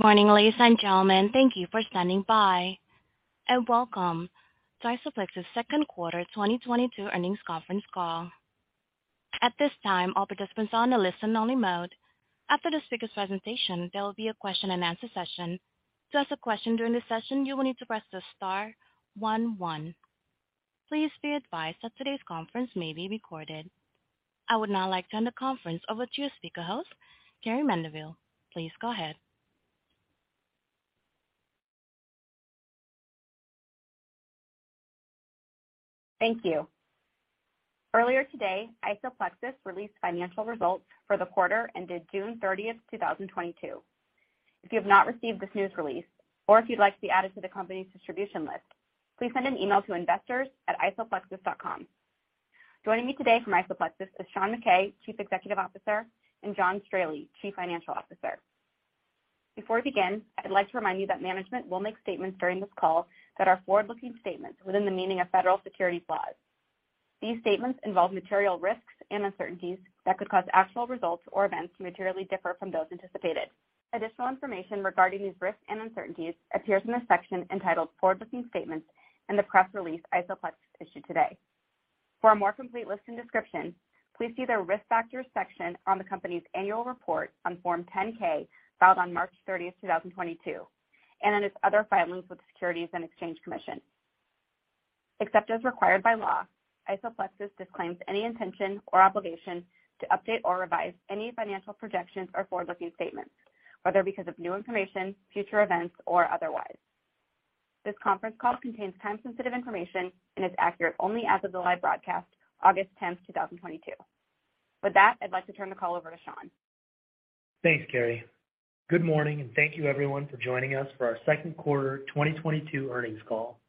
Good morning, ladies and gentlemen. Thank you for standing by, and welcome to IsoPlexis' second quarter 2022 earnings conference call. At this time, all participants are on a listen only mode. After the speaker's presentation, there will be a question and answer session. To ask a question during the session, you will need to press the star one one. Please be advised that today's conference may be recorded. I would now like to hand the conference over to your speaker host, Kari Mandeville. Please go ahead. Thank you. Earlier today, IsoPlexis released financial results for the quarter ended June 30, 2022. If you have not received this news release, or if you'd like to be added to the company's distribution list, please send an email to investors@isoplexis.com. Joining me today from IsoPlexis is Sean Mackay, Chief Executive Officer, and John Strahley, Chief Financial Officer. Before we begin, I'd like to remind you that management will make statements during this call that are forward-looking statements within the meaning of federal securities laws. These statements involve material risks and uncertainties that could cause actual results or events to materially differ from those anticipated. Additional information regarding these risks and uncertainties appears in the section entitled Forward-Looking Statements in the press release IsoPlexis issued today. For a more complete list and description, please see the Risk Factors section on the company's annual report on Form 10-K filed on March 30, 2022, and in its other filings with the Securities and Exchange Commission. Except as required by law, IsoPlexis disclaims any intention or obligation to update or revise any financial projections or forward-looking statements, whether because of new information, future events, or otherwise. This conference call contains time-sensitive information and is accurate only as of the live broadcast, August 10, 2022. With that, I'd like to turn the call over to Sean. Thanks, Kari. Good morning, and thank you everyone for joining us for our second quarter 2022 earnings call.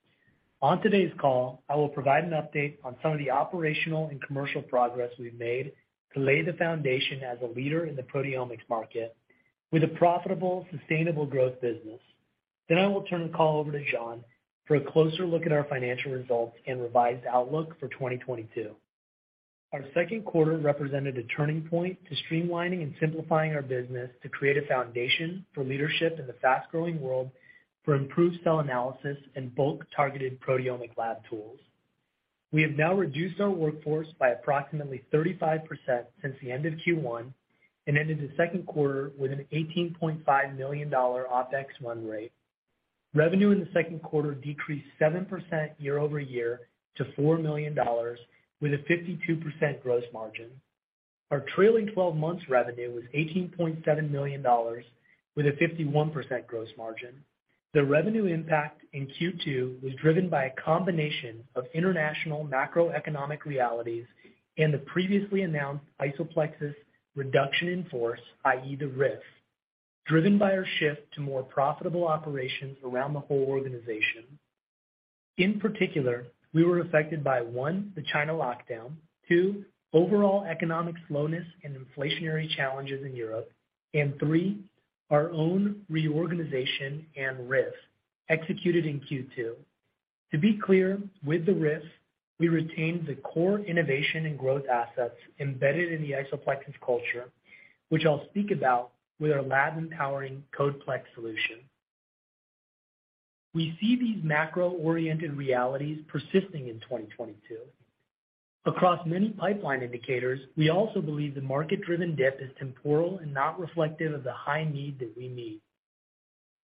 On today's call, I will provide an update on some of the operational and commercial progress we've made to lay the foundation as a leader in the proteomics market with a profitable, sustainable growth business. I will turn the call over to John for a closer look at our financial results and revised outlook for 2022. Our second quarter represented a turning point to streamlining and simplifying our business to create a foundation for leadership in the fast-growing world for improved cell analysis and bulk targeted proteomic lab tools. We have now reduced our workforce by approximately 35% since the end of Q1 and ended the second quarter with an $18.5 million OPEX run rate. Revenue in the second quarter decreased 7% year-over-year to $4 million with a 52% gross margin. Our trailing twelve months revenue was $18.7 million with a 51% gross margin. The revenue impact in Q2 was driven by a combination of international macroeconomic realities and the previously announced IsoPlexis reduction in force, i.e. the RIF, driven by our shift to more profitable operations around the whole organization. In particular, we were affected by, one, the China lockdown, two, overall economic slowness and inflationary challenges in Europe, and three, our own reorganization and RIF executed in Q2. To be clear, with the RIF, we retained the core innovation and growth assets embedded in the IsoPlexis culture, which I'll speak about with our lab empowering CodePlex solution. We see these macro-oriented realities persisting in 2022. Across many pipeline indicators, we also believe the market-driven dip is temporal and not reflective of the high need that we meet.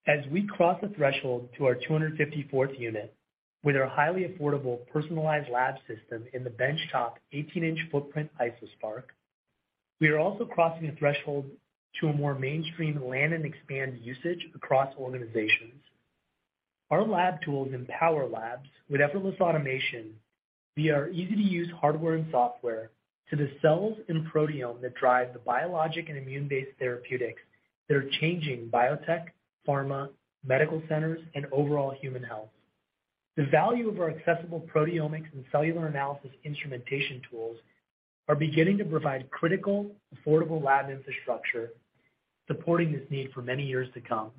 As we cross the threshold to our 254th unit with our highly affordable personalized lab system in the benchtop 18-inch footprint IsoSpark, we are also crossing a threshold to a more mainstream land and expand usage across organizations. Our lab tools empower labs with effortless automation via our easy-to-use hardware and software to the cells and proteome that drive the biologic and immune-based therapeutics that are changing biotech, pharma, medical centers, and overall human health. The value of our accessible proteomics and cellular analysis instrumentation tools are beginning to provide critical, affordable lab infrastructure, supporting this need for many years to come.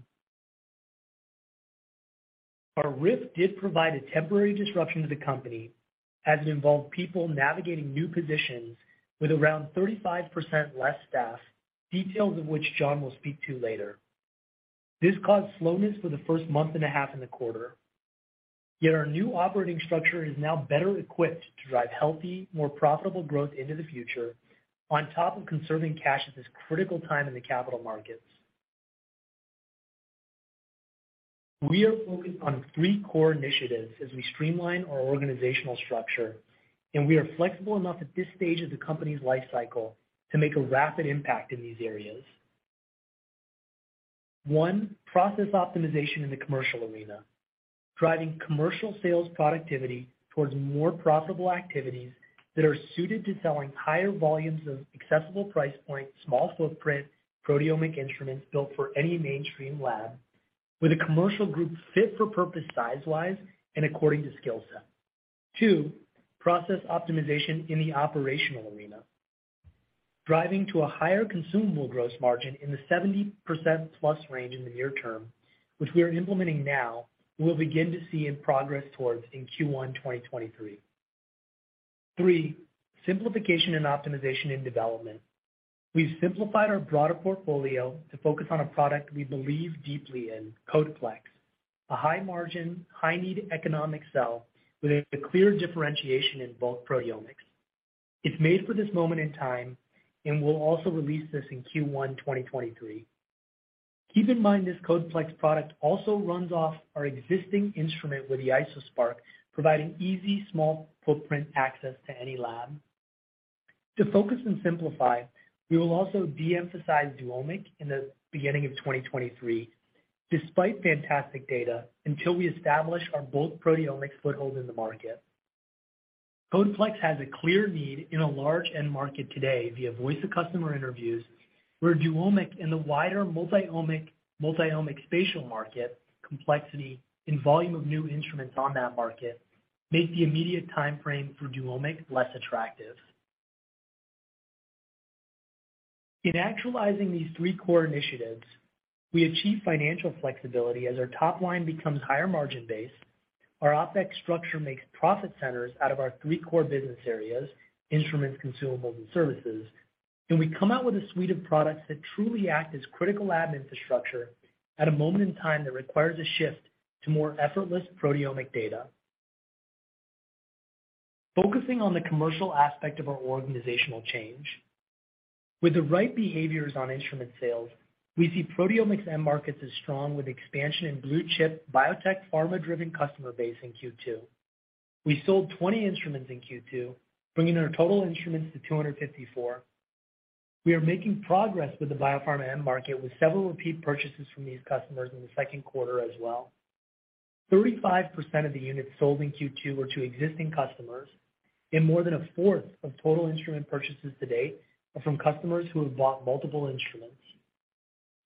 Our RIF did provide a temporary disruption to the company as it involved people navigating new positions with around 35% less staff, details of which John will speak to later. This caused slowness for the first month and a half in the quarter. Yet our new operating structure is now better equipped to drive healthy, more profitable growth into the future on top of conserving cash at this critical time in the capital markets. We are focused on three core initiatives as we streamline our organizational structure, and we are flexible enough at this stage of the company's life cycle to make a rapid impact in these areas. One, process optimization in the commercial arena, driving commercial sales productivity towards more profitable activities that are suited to selling higher volumes of accessible price point, small footprint, proteomic instruments built for any mainstream lab with a commercial group fit for purpose size-wise and according to skill set. Two, process optimization in the operational arena. Driving to a higher consumable gross margin in the 70%+ range in the near term, which we are implementing now, we will begin to see and progress towards in Q1 2023. Three, simplification and optimization in development. We've simplified our broader portfolio to focus on a product we believe deeply in, CodePlex, a high margin, high need economic cell with a clear differentiation in bulk proteomics. It's made for this moment in time, and we'll also release this in Q1 2023. Keep in mind this CodePlex product also runs off our existing instrument with the IsoSpark, providing easy, small footprint access to any lab. To focus and simplify, we will also de-emphasize Duomic in the beginning of 2023, despite fantastic data, until we establish our bulk proteomics foothold in the market. CodePlex has a clear need in a large end market today via voice of customer interviews, where Duomic and the wider multi-omic, multi-omic spatial market complexity and volume of new instruments on that market make the immediate time frame for Duomic less attractive. In actualizing these three core initiatives, we achieve financial flexibility as our top line becomes higher margin based, our OPEX structure makes profit centers out of our three core business areas, instruments, consumables, and services, and we come out with a suite of products that truly act as critical lab infrastructure at a moment in time that requires a shift to more effortless proteomic data. Focusing on the commercial aspect of our organizational change. With the right behaviors on instrument sales, we see proteomics end markets as strong with expansion in blue-chip biotech pharma-driven customer base in Q2. We sold 20 instruments in Q2, bringing our total instruments to 254. We are making progress with the biopharma end market with several repeat purchases from these customers in the second quarter as well. 35% of the units sold in Q2 were to existing customers, and more than a fourth of total instrument purchases to date are from customers who have bought multiple instruments.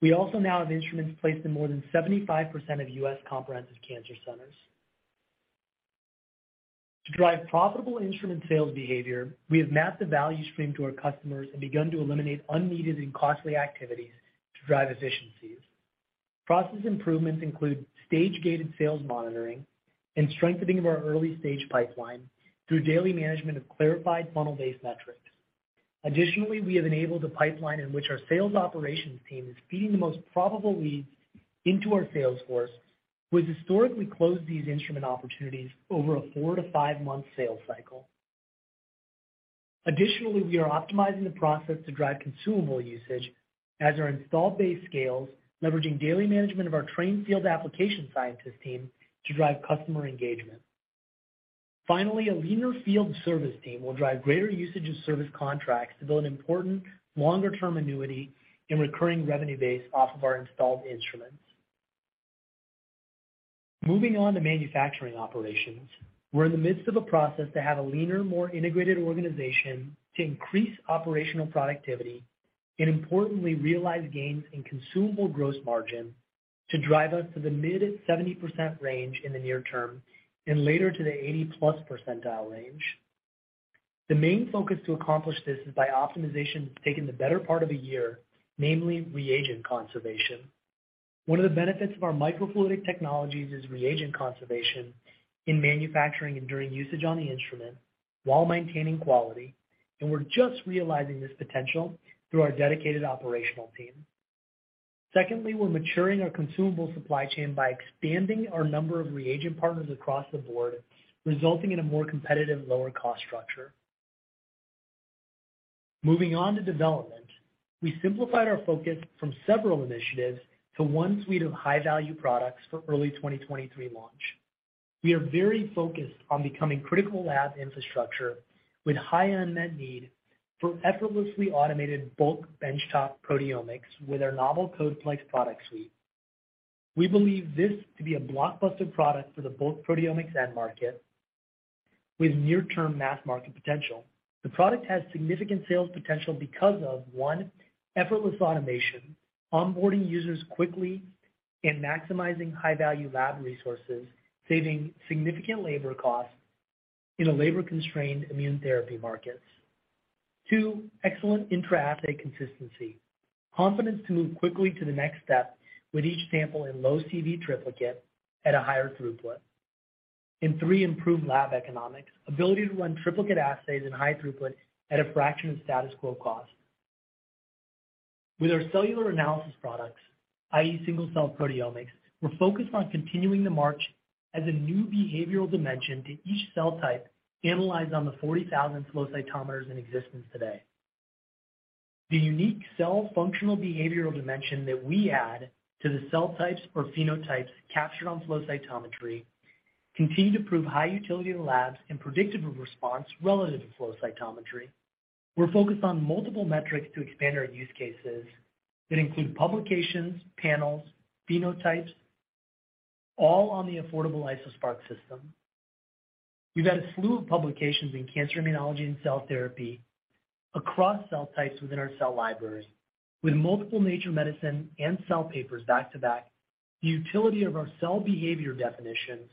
We also now have instruments placed in more than 75% of U.S. comprehensive cancer centers. To drive profitable instrument sales behavior, we have mapped the value stream to our customers and begun to eliminate unneeded and costly activities to drive efficiencies. Process improvements include stage-gated sales monitoring and strengthening of our early-stage pipeline through daily management of clarified funnel-based metrics. Additionally, we have enabled a pipeline in which our sales operations team is feeding the most probable leads into our sales force, who has historically closed these instrument opportunities over a four-five-month sales cycle. Additionally, we are optimizing the process to drive consumable usage as our installed base scales, leveraging daily management of our trained field application scientist team to drive customer engagement. Finally, a leaner field service team will drive greater usage of service contracts to build an important longer-term annuity and recurring revenue base off of our installed instruments. Moving on to manufacturing operations, we're in the midst of a process to have a leaner, more integrated organization to increase operational productivity and importantly, realize gains in consumable gross margin to drive us to the mid-70% range in the near term and later to the 80%+ range. The main focus to accomplish this is by optimization that's taken the better part of a year, namely reagent conservation. One of the benefits of our microfluidic technologies is reagent conservation in manufacturing and during usage on the instrument while maintaining quality, and we're just realizing this potential through our dedicated operational team. Secondly, we're maturing our consumable supply chain by expanding our number of reagent partners across the board, resulting in a more competitive lower cost structure. Moving on to development, we simplified our focus from several initiatives to one suite of high-value products for early 2023 launch. We are very focused on becoming critical lab infrastructure with high unmet need for effortlessly automated bulk bench top proteomics with our novel CodePlex product suite. We believe this to be a blockbuster product for the bulk proteomics end market with near-term mass market potential. The product has significant sales potential because of, one, effortless automation, onboarding users quickly and maximizing high-value lab resources, saving significant labor costs in a labor-constrained immune therapy markets. Two, excellent intra-assay consistency, confidence to move quickly to the next step with each sample in low CV triplicate at a higher throughput. And three, improved lab economics, ability to run triplicate assays in high throughput at a fraction of status quo cost. With our cellular analysis products, i.e., single-cell proteomics, we're focused on continuing the march as a new behavioral dimension to each cell type analyzed on the 40,000 flow cytometers in existence today. The unique cell functional behavioral dimension that we add to the cell types or phenotypes captured on flow cytometry continue to prove high utility to labs and predictive of response relative to flow cytometry. We're focused on multiple metrics to expand our use cases that include publications, panels, phenotypes, all on the affordable IsoSpark system. We've had a slew of publications in cancer immunology and cell therapy across cell types within our cell libraries. With multiple Nature Medicine and Cell papers back-to-back, the utility of our cell behavior definitions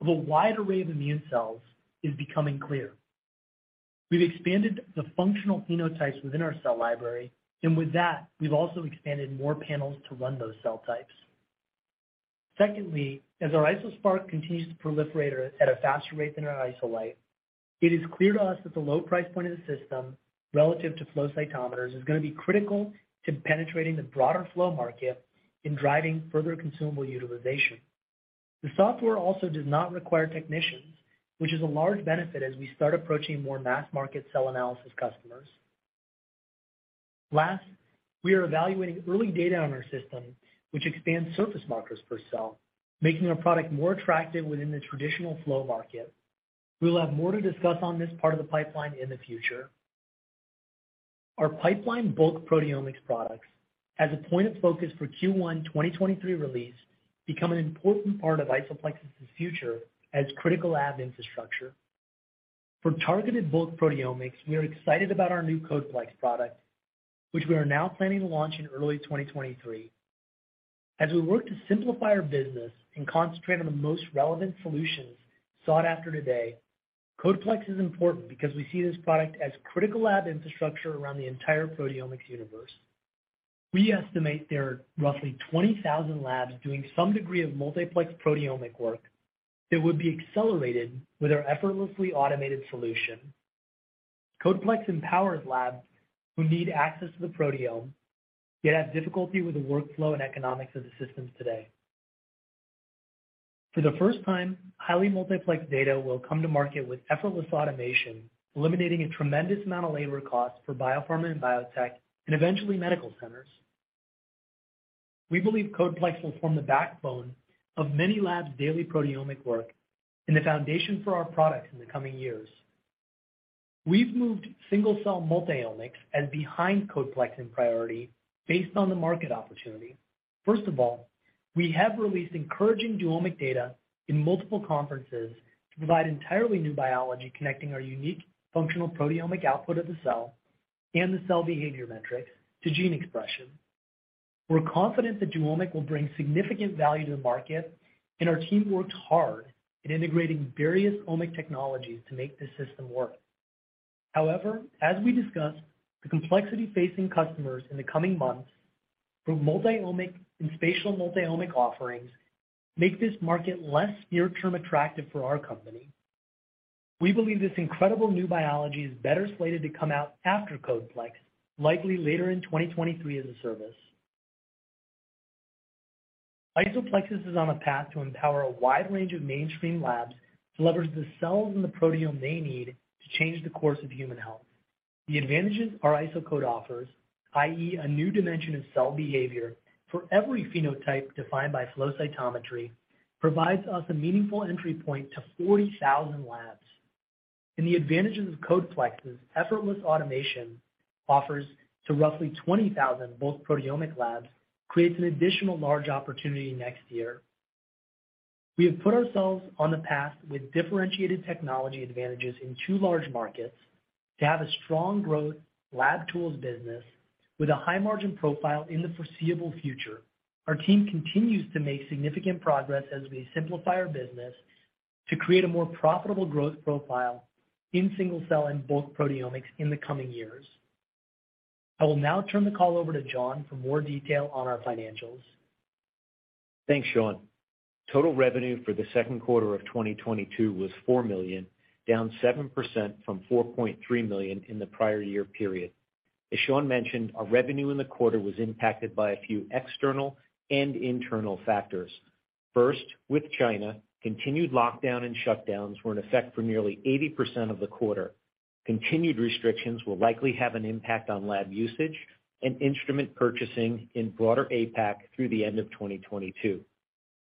of a wide array of immune cells is becoming clear. We've expanded the functional phenotypes within our cell library, and with that, we've also expanded more panels to run those cell types. Secondly, as our IsoSpark continues to proliferate at a faster rate than our IsoLight, it is clear to us that the low price point of the system relative to flow cytometers is going to be critical to penetrating the broader flow market in driving further consumable utilization. The software also does not require technicians, which is a large benefit as we start approaching more mass market cell analysis customers. Last, we are evaluating early data on our system, which expands surface markers per cell, making our product more attractive within the traditional flow market. We'll have more to discuss on this part of the pipeline in the future. Our pipeline bulk proteomics products as a point of focus for Q1 2023 release become an important part of IsoPlexis' future as critical lab infrastructure. For targeted bulk proteomics, we are excited about our new CodePlex product, which we are now planning to launch in early 2023. As we work to simplify our business and concentrate on the most relevant solutions sought after today, CodePlex is important because we see this product as critical lab infrastructure around the entire proteomics universe. We estimate there are roughly 20,000 labs doing some degree of multiplex proteomic work that would be accelerated with our effortlessly automated solution. CodePlex empowers labs who need access to the proteome, yet have difficulty with the workflow and economics of the systems today. For the first time, highly multiplex data will come to market with effortless automation, eliminating a tremendous amount of labor costs for biopharma and biotech, and eventually medical centers. We believe CodePlex will form the backbone of many labs' daily proteomic work and the foundation for our products in the coming years. We've moved single-cell multiomics as behind CodePlex in priority based on the market opportunity. First of all, we have released encouraging Duomic data in multiple conferences to provide entirely new biology connecting our unique functional proteomic output of the cell and the cell behavior metric to gene expression. We're confident that Duomic will bring significant value to the market, and our team worked hard at integrating various omic technologies to make this system work. However, as we discussed, the complexity facing customers in the coming months for multiomic and spatial multiomic offerings make this market less near-term attractive for our company. We believe this incredible new biology is better slated to come out after CodePlex, likely later in 2023 as a service. IsoPlexis is on a path to empower a wide range of mainstream labs to leverage the cells and the proteome they need to change the course of human health. The advantages our IsoCode offers, i.e., a new dimension of cell behavior for every phenotype defined by flow cytometry, provides us a meaningful entry point to 40,000 labs. The advantages of CodePlex's effortless automation offers to roughly 20,000 bulk proteomic labs creates an additional large opportunity next year. We have put ourselves on the path with differentiated technology advantages in two large markets to have a strong growth lab tools business with a high margin profile in the foreseeable future. Our team continues to make significant progress as we simplify our business to create a more profitable growth profile in single cell and bulk proteomics in the coming years. I will now turn the call over to John for more detail on our financials. Thanks, Sean. Total revenue for the second quarter of 2022 was 4 million, down 7% from 4.3 million in the prior year period. As Sean mentioned, our revenue in the quarter was impacted by a few external and internal factors. First, with China, continued lockdown and shutdowns were in effect for nearly 80% of the quarter. Continued restrictions will likely have an impact on lab usage and instrument purchasing in broader APAC through the end of 2022.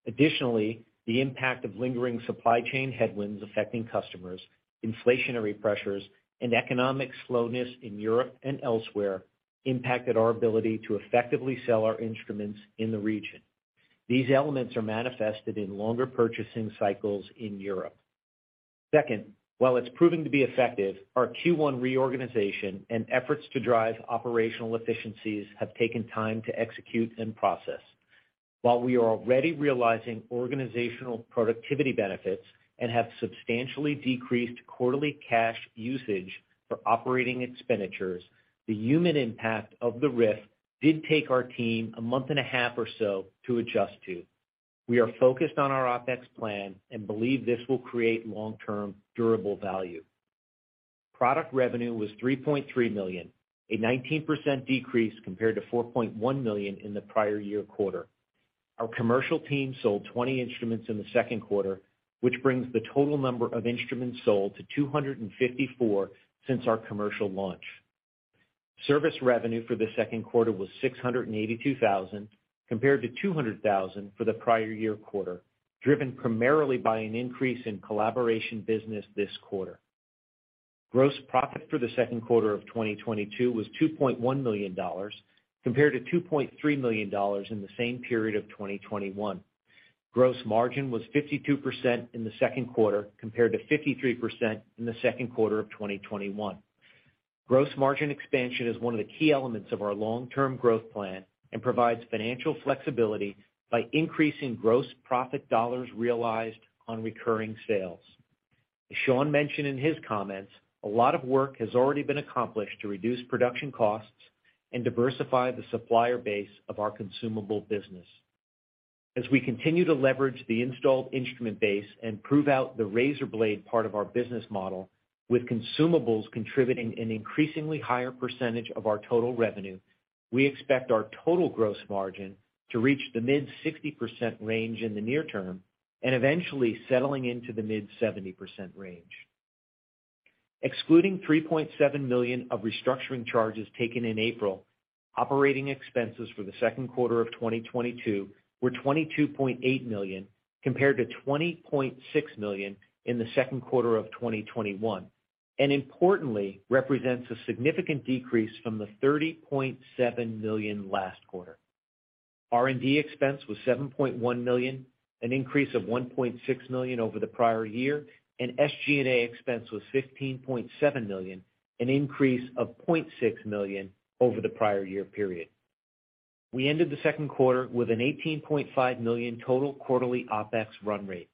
Additionally, the impact of lingering supply chain headwinds affecting customers, inflationary pressures, and economic slowness in Europe and elsewhere impacted our ability to effectively sell our instruments in the region. These elements are manifested in longer purchasing cycles in Europe. Second, while it's proving to be effective, our Q1 reorganization and efforts to drive operational efficiencies have taken time to execute and process. While we are already realizing organizational productivity benefits and have substantially decreased quarterly cash usage for operating expenditures, the human impact of the RIF did take our team a month and a half or so to adjust to. We are focused on our OPEX plan and believe this will create long-term durable value. Product revenue was 3.3 million, a 19% decrease compared to 4.1 million in the prior year quarter. Our commercial team sold 20 instruments in the second quarter, which brings the total number of instruments sold to 254 since our commercial launch. Service revenue for the second quarter was 682,000, compared-200,000 for the prior year quarter, driven primarily by an increase in collaboration business this quarter. Gross profit for the second quarter of 2022 was $2.1 million, compared-$2.3 million in the same period of 2021. Gross margin was 52% in the second quarter, compared to 53% in the second quarter of 2021. Gross margin expansion is one of the key elements of our long-term growth plan and provides financial flexibility by increasing gross profit dollars realized on recurring sales. As Sean mentioned in his comments, a lot of work has already been accomplished to reduce production costs and diversify the supplier base of our consumable business. As we continue to leverage the installed instrument base and prove out the razor blade part of our business model, with consumables contributing an increasingly higher percentage of our total revenue, we expect our total gross margin to reach the mid-60% range in the near term and eventually settling into the mid-70% range. Excluding 3.7 million of restructuring charges taken in April, operating expenses for the second quarter of 2022 were 22.8 million, compared-20.6 million in the second quarter of 2021, and importantly, represents a significant decrease from the 30.7 million last quarter. R&D expense was 7.1 million, an increase of 1.6 million over the prior year, and SG&A expense was 15.7 million, an increase of 0.6 million over the prior year period. We ended the second quarter with an 18.5 million total quarterly OPEX run rate.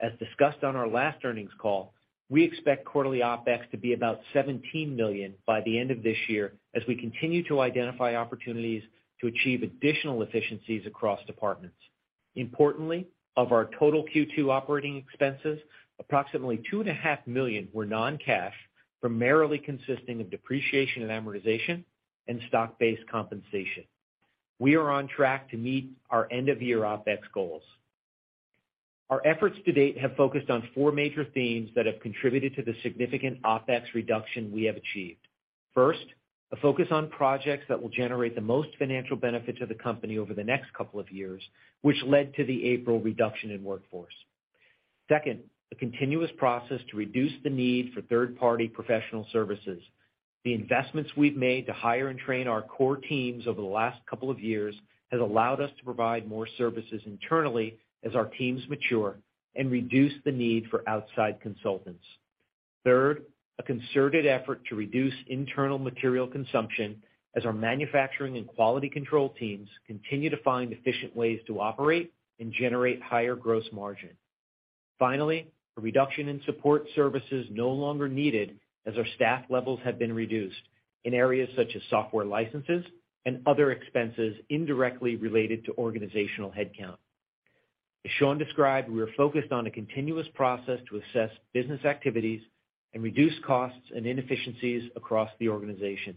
As discussed on our last earnings call, we expect quarterly OPEX to be about 17 million by the end of this year as we continue to identify opportunities to achieve additional efficiencies across departments. Importantly, of our total Q2 operating expenses, approximately 2.5 million were non-cash, primarily consisting of depreciation and amortization and stock-based compensation. We are on track to meet our end of year OPEX goals. Our efforts to date have focused on four major themes that have contributed to the significant OPEX reduction we have achieved. First, a focus on projects that will generate the most financial benefit to the company over the next couple of years, which led to the April reduction in workforce. Second, a continuous process to reduce the need for third-party professional services. The investments we've made to hire and train our core teams over the last couple of years has allowed us to provide more services internally as our teams mature and reduce the need for outside consultants. Third, a concerted effort to reduce internal material consumption as our manufacturing and quality control teams continue to find efficient ways to operate and generate higher gross margin. Finally, a reduction in support services no longer needed as our staff levels have been reduced in areas such as software licenses and other expenses indirectly related to organizational headcount. As Sean described, we are focused on a continuous process to assess business activities and reduce costs and inefficiencies across the organization.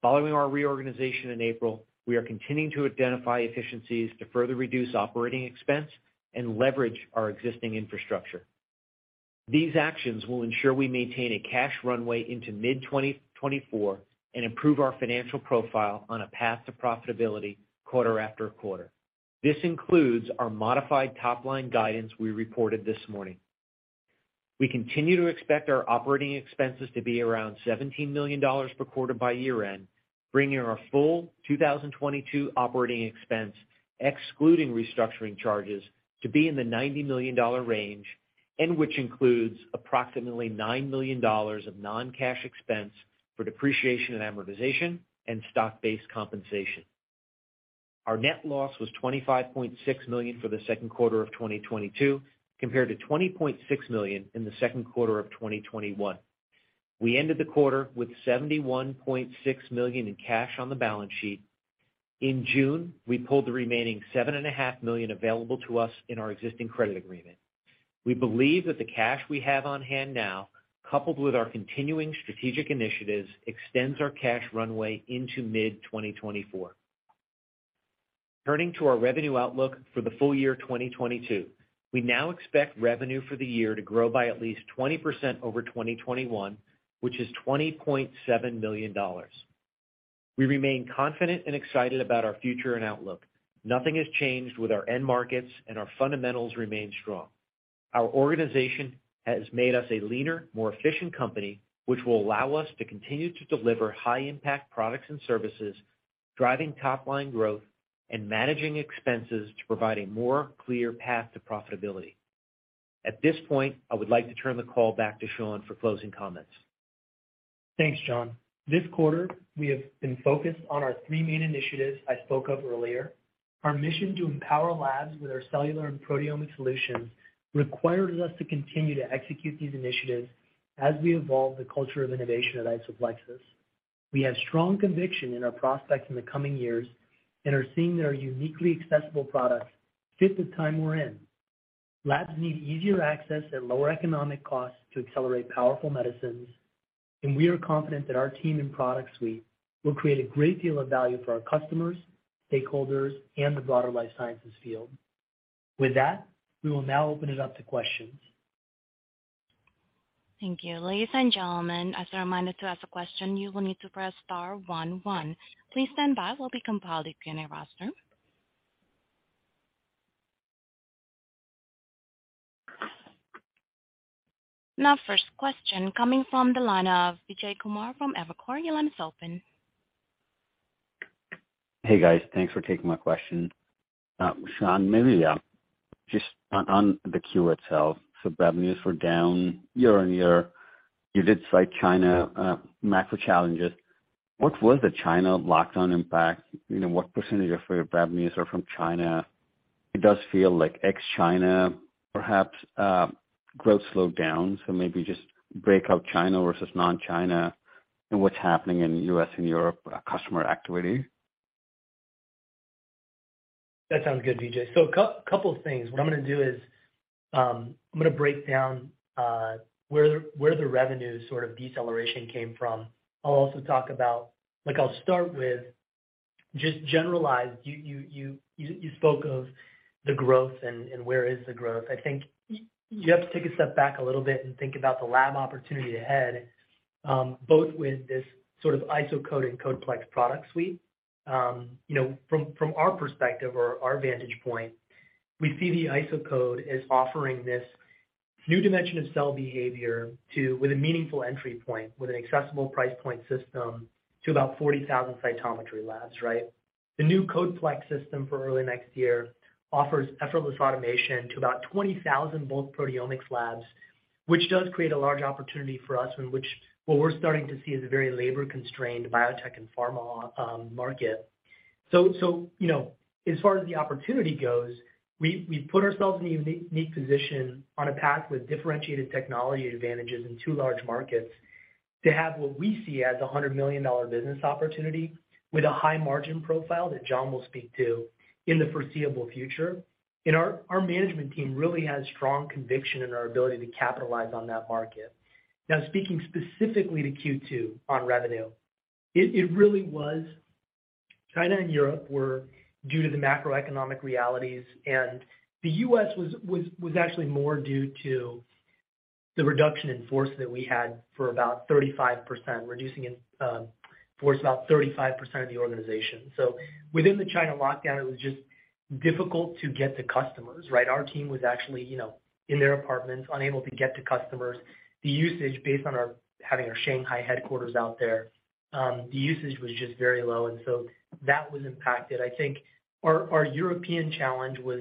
Following our reorganization in April, we are continuing to identify efficiencies to further reduce operating expense and leverage our existing infrastructure. These actions will ensure we maintain a cash runway into mid-2024 and improve our financial profile on a path to profitability quarter after quarter. This includes our modified top-line guidance we reported this morning. We continue to expect our operating expenses to be around $17 million per quarter by year-end, bringing our full 2022 operating expense, excluding restructuring charges, to be in the $90 million range, and which includes approximately $9 million of non-cash expense for depreciation and amortization and stock-based compensation. Our net loss was 25.6 million for the second quarter of 2022, compared to 20.6 million in the second quarter of 2021. We ended the quarter with 71.6 million in cash on the balance sheet. In June, we pulled the remaining 7.5 Million available to us in our existing credit agreement. We believe that the cash we have on hand now, coupled with our continuing strategic initiatives, extends our cash runway into mid-2024. Turning to our revenue outlook for the full year 2022, we now expect revenue for the year to grow by at least 20% over 2021, which is $20.7 million. We remain confident and excited about our future and outlook. Nothing has changed with our end markets, and our fundamentals remain strong. Our organization has made us a leaner, more efficient company, which will allow us to continue to deliver high-impact products and services, driving top-line growth and managing expenses to provide a more clear path to profitability. At this point, I would like to turn the call back to Sean for closing comments. Thanks, John. This quarter, we have been focused on our three main initiatives I spoke of earlier. Our mission to empower labs with our cellular and proteomic solutions requires us to continue to execute these initiatives as we evolve the culture of innovation at IsoPlexis. We have strong conviction in our prospects in the coming years and are seeing that our uniquely accessible products fit the time we're in. Labs need easier access at lower economic costs to accelerate powerful medicines, and we are confident that our team and product suite will create a great deal of value for our customers, stakeholders, and the broader life sciences field. With that, we will now open it up to questions. Thank you. Ladies and gentlemen, as a reminder, to ask a question, you will need to press star one one. Please stand by while we compile the Q&A roster. Now first question coming from the line of Vijay Kumar from Evercore. Your line is open. Hey, guys. Thanks for taking my question. Sean, maybe just on the Q itself, revenues were down year-over-year. You did cite China macro challenges. What was the China lockdown impact? You know, what percentage of your revenues are from China? It does feel like ex-China perhaps, growth slowed down. Maybe just break out China versus non-China and what's happening in U.S. and Europe, customer activity. That sounds good, Vijay. Couple of things. What I'm going to do is, I'm going to break down where the revenue sort of deceleration came from. I'll also talk about. Like I'll start with just generalized, you spoke of the growth and where is the growth. I think you have to take a step back a little bit and think about the lab opportunity ahead, both with this sort of IsoCode and CodePlex product suite. You know, from our perspective or our vantage point, we see the IsoCode as offering this new dimension of cell behavior with a meaningful entry point, with an accessible price point system to about 40,000 cytometry labs, right? The new CodePlex system for early next year offers effortless automation to about 20,000 bulk proteomics labs, which does create a large opportunity for us, and what we're starting to see is a very labor-constrained biotech and pharma market. So, you know, as far as the opportunity goes, we've put ourselves in a unique position on a path with differentiated technology advantages in two large markets to have what we see as a $100 million business opportunity with a high margin profile that John will speak to in the foreseeable future. Our management team really has strong conviction in our ability to capitalize on that market. Now, speaking specifically to Q2 on revenue, it really was China and Europe were due to the macroeconomic realities, and the U.S. was actually more due to the reduction in force that we had for about 35%, reducing in force about 35% of the organization. Within the China lockdown, it was just difficult to get to customers, right? Our team was actually, you know, in their apartments, unable to get to customers. The usage based on our having our Shanghai headquarters out there, the usage was just very low, and so that was impacted. I think our European challenge was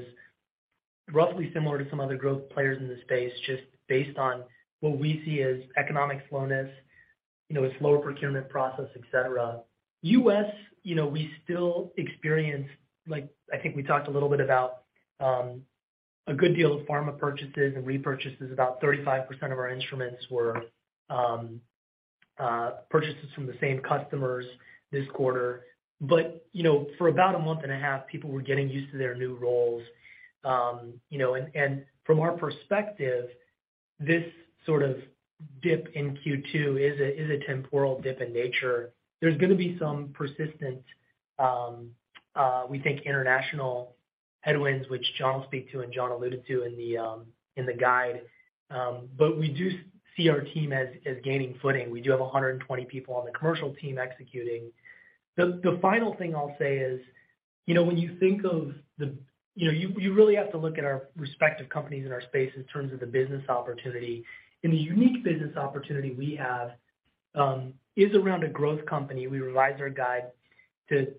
roughly similar to some other growth players in the space, just based on what we see as economic slowness, you know, a slower procurement process, et cetera. As, you know, we still experience, like I think we talked a little bit about, a good deal of pharma purchases and repurchases. About 35% of our instruments were purchases from the same customers this quarter. You know, for about a month and a half, people were getting used to their new roles. And from our perspective, this sort of dip in Q2 is a temporal dip in nature. There's going to be some persistent, we think international headwinds, which John will speak to and John alluded to in the guide. We do see our team as gaining footing. We do have 120 people on the commercial team executing. The final thing I'll say is, you know, when you think of the. You know, you really have to look at our respective companies in our space in terms of the business opportunity. The unique business opportunity we have is around a growth company. We revised our guide to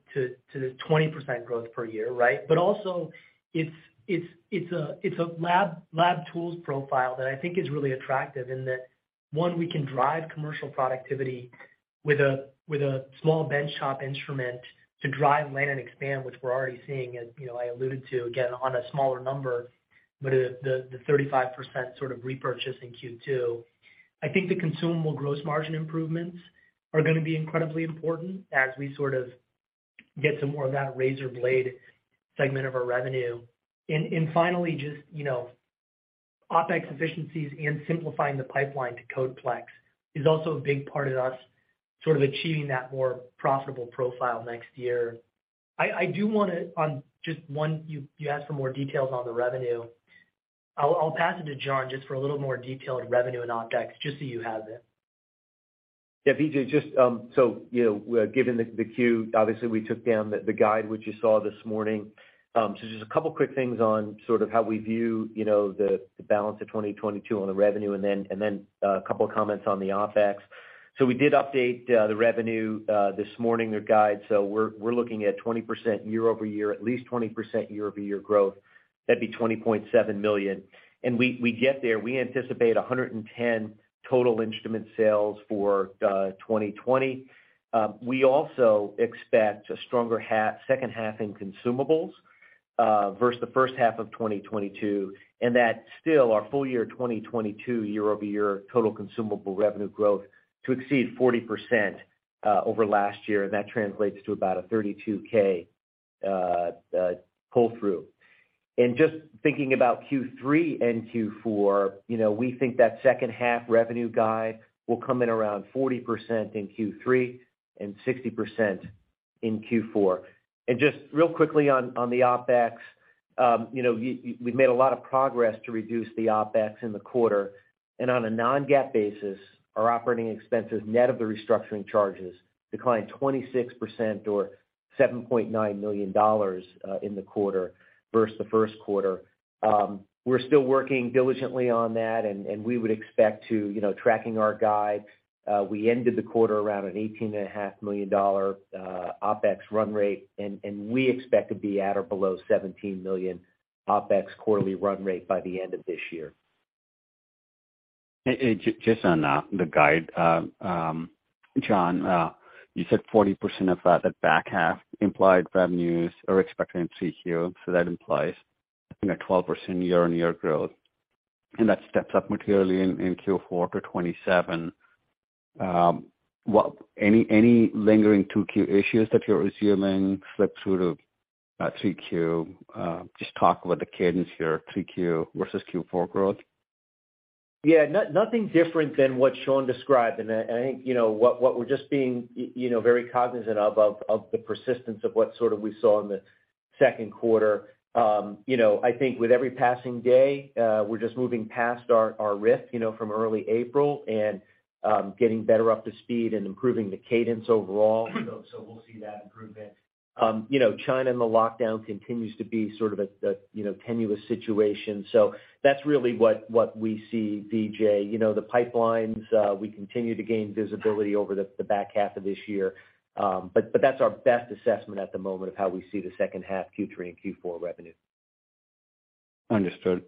the 20% growth per year, right? But also it's a lab tools profile that I think is really attractive in that, one, we can drive commercial productivity with a small bench-top instrument to drive land and expand, which we're already seeing, as you know, I alluded to, again, on a smaller number, but at the 35% sort of repurchase in Q2. I think the consumable gross margin improvements are going to be incredibly important as we sort of get some more of that razor blade segment of our revenue. Finally, just, you know, OpEx efficiencies and simplifying the pipeline to CodePlex is also a big part of us sort of achieving that more profitable profile next year. I do want to. You asked for more details on the revenue. I'll pass it to John just for a little more detail on revenue and OpEx, just so you have it. Yeah, Vijay, just so, you know, given the queue, obviously we took down the guide which you saw this morning. Just a couple quick things on sort of how we view, you know, the balance of 2022 on the revenue and then a couple of comments on the OpEx. We did update the revenue this morning, the guide, so we're looking at 20% year-over-year, at least 20% year-over-year growth. That'd be 20.7 million. And we get there. We anticipate 110 total instrument sales for 2020. We also expect a stronger second half in consumables versus the first half of 2022, and that's still our full year 2022 year-over-year total consumable revenue growth to exceed 40% over last year. That translates to about a 32K pull through. Just thinking about Q3 and Q4, you know, we think that second half revenue guide will come in around 40% in Q3 and 60% in Q4. Just real quickly on the OpEx, you know, we've made a lot of progress to reduce the OpEx in the quarter. On a non-GAAP basis, our operating expenses net of the restructuring charges declined 26% or $7.9 million in the quarter versus the first quarter. We're still working diligently on that, and we would expect to, you know, tracking our guide. We ended the quarter around an $18.5 million OpEx run rate, and we expect to be at or below 17 million OpEx quarterly run rate by the end of this year. Hey, just on the guide, John, you said 40% of that back half implied revenues are expected in Q3. So that implies, you know, 12% year-on-year growth, and that steps up materially in Q4 to 27%. Any lingering 2Q issues that you're assuming flip through to 3Q? Just talk about the cadence here, 3Q versus Q4 growth. Yeah. Nothing different than what Sean described. I think, you know, what we're just being you know, very cognizant of the persistence of what sort of we saw in the second quarter. You know, I think with every passing day, we're just moving past our risk, you know, from early April and getting better up to speed and improving the cadence overall. We'll see that improvement. You know, China and the lockdown continues to be sort of a you know, tenuous situation. That's really what we see, Vijay. You know, the pipelines we continue to gain visibility over the back half of this year. That's our best assessment at the moment of how we see the second half Q3 and Q4 revenue. Understood.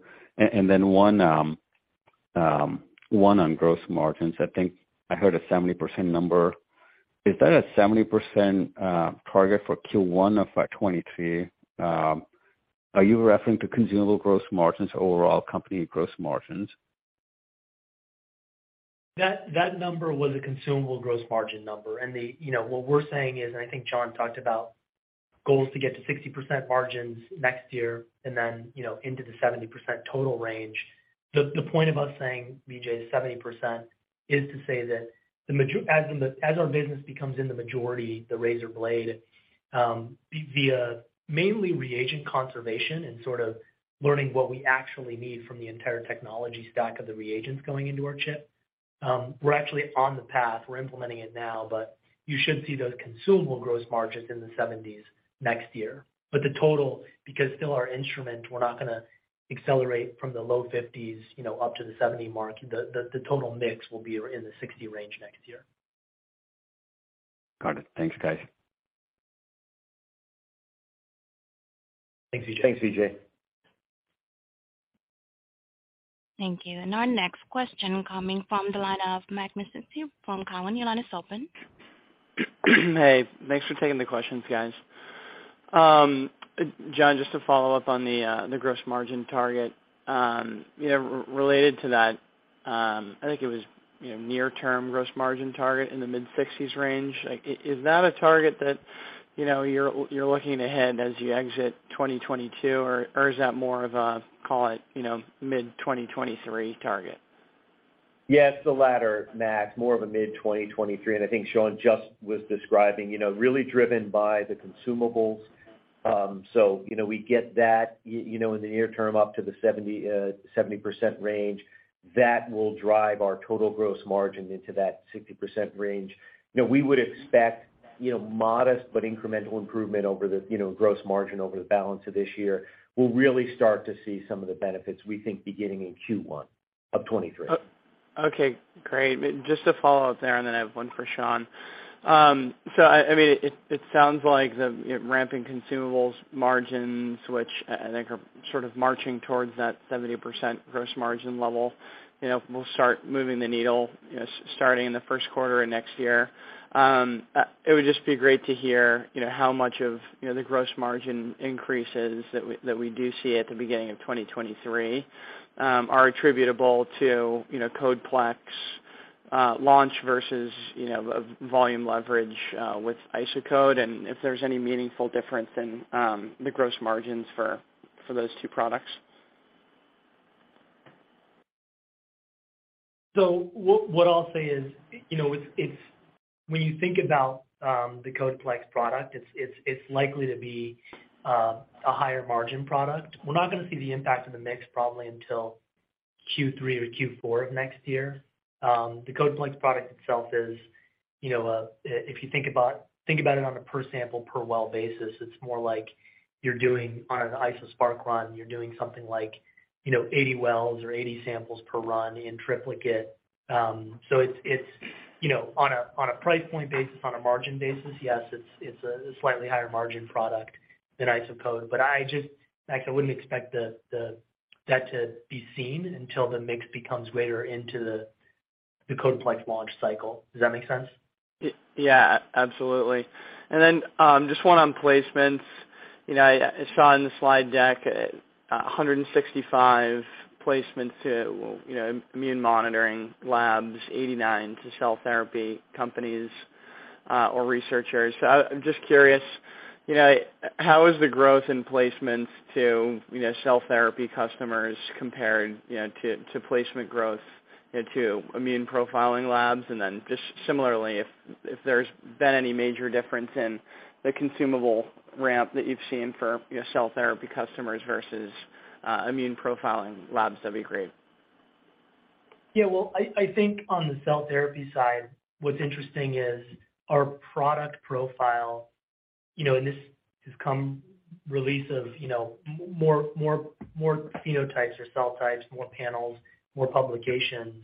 One on gross margins. I think I heard a 70% number. Is that a 70% target for Q1 of 2023? Are you referring to consumable gross margins or overall company gross margins? That number was a consumable gross margin number. You know, what we're saying is, I think John talked about goals to get to 60% margins next year and then, you know, into the 70% total range. The point of us saying, Vijay, 70% is to say that as our business becomes in the majority, the razor blade, via mainly reagent conservation and sort of learning what we actually need from the entire technology stack of the reagents going into our chip, we're actually on the path. We're implementing it now, but you should see those consumable gross margins in the 70s next year. The total, because still our instrument, we're not going to accelerate from the low 50s, you know, up to the 70 mark. The total mix will be in the 60 range next year. Got it. Thanks, guys. Thanks, Vijay. Thanks, Vijay. Thank you. Our next question coming from the line of Max Masucci from Cowen. Your line is open. Hey, thanks for taking the questions, guys. John, just to follow up on the gross margin target. You know, related to that, I think it was, you know, near term gross margin target in the mid-60s% range. Like, is that a target that, you know, you're looking ahead as you exit 2022, or is that more of a, call it, you know, mid-2023 target? Yeah, it's the latter, Max, more of a mid-2023. I think Sean just was describing, you know, really driven by the consumables. You know, we get that in the near term up to the 70% range. That will drive our total gross margin into that 60% range. You know, we would expect, you know, modest but incremental improvement over the gross margin over the balance of this year. We'll really start to see some of the benefits we think beginning in Q1 of 2023. Okay, great. Just to follow up there, and then I have one for Sean. I mean, it sounds like the, you know, ramping consumables margins, which I think are sort of marching towards that 70% gross margin level, you know, will start moving the needle, you know, starting in the first quarter of next year. It would just be great to hear, you know, how much of, you know, the gross margin increases that we do see at the beginning of 2023 are attributable to, you know, CodePlex launch versus, you know, volume leverage with IsoCode, and if there's any meaningful difference in the gross margins for those two products. What I'll say is, you know, it's when you think about the CodePlex product, it's likely to be a higher margin product. We're not going to see the impact of the mix probably until Q3 or Q4 of next year. The CodePlex product itself is, you know, if you think about it on a per sample, per well basis, it's more like you're doing on an IsoSpark run, you're doing something like, you know, 80 wells or 80 samples per run in triplicate. It's, you know, on a price point basis, on a margin basis, yes, it's a slightly higher margin product than IsoCode. I just, Max, I wouldn't expect that to be seen until the mix becomes later into the CodePlex launch cycle. Does that make sense? Yeah, absolutely. Just one on placements. You know, I saw in the slide deck, 165 placements to, you know, immune monitoring labs, 89 to cell therapy companies, or researchers. I'm just curious, you know, how is the growth in placements to, you know, cell therapy customers compared, you know, to placement growth, you know, to immune profiling labs? Just similarly, if there's been any major difference in the consumable ramp that you've seen for, you know, cell therapy customers versus, immune profiling labs, that'd be great. Yeah. Well, I think on the cell therapy side, what's interesting is our product profile, you know, and this has come release of, you know, more phenotypes or cell types, more panels, more publications.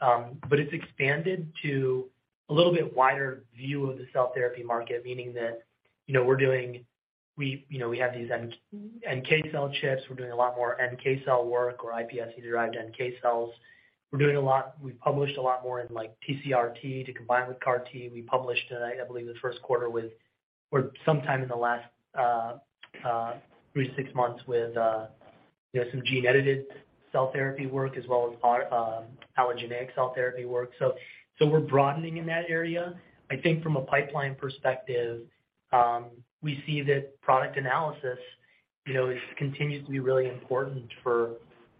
But it's expanded to a little bit wider view of the cell therapy market, meaning that, you know, we have these NK cell chips. We're doing a lot more NK cell work or iPSC-derived NK cells. We published a lot more in, like, TCR T to combine with CAR T. We published, I believe this first quarter or sometime in the last 3-6 months with, you know, some gene-edited cell therapy work as well as our allogeneic cell therapy work. We're broadening in that area. I think from a pipeline perspective, we see that product analysis, you know, continues to be really important for